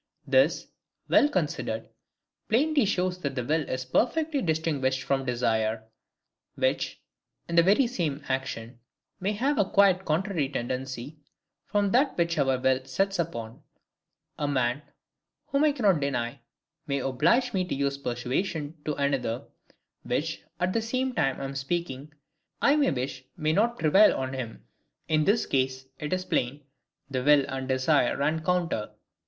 This, well considered, plainly shows that the will is perfectly distinguished from desire; which, in the very same action, may have a quite contrary tendency from that which our will sets us upon. A man, whom I cannot deny, may oblige me to use persuasions to another, which, at the same time I am speaking, I may wish may not prevail on him. In this case, it is plain the will and desire run counter.